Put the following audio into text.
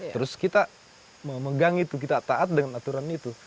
terus kita memegang itu kita taat dengan aturan itu